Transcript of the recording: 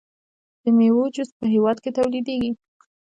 د میوو جوس په هیواد کې تولیدیږي.